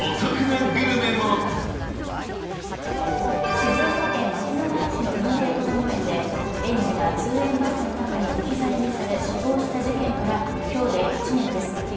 静岡県牧之原市の認定こども園で園児が通園バスの中に置き去りにされ死亡した事件から今日で１年です。